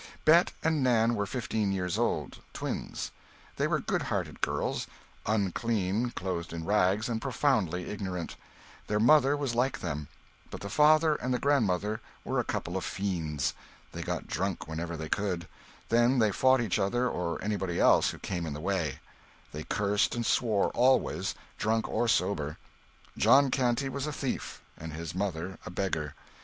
Bet and Nan were fifteen years old twins. They were good hearted girls, unclean, clothed in rags, and profoundly ignorant. Their mother was like them. But the father and the grandmother were a couple of fiends. They got drunk whenever they could; then they fought each other or anybody else who came in the way; they cursed and swore always, drunk or sober; John Canty was a thief, and his mother a beggar.